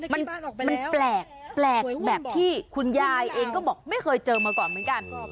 มันแปลกแปลกแบบที่คุณยายเองก็บอกไม่เคยเจอมาก่อนเหมือนกัน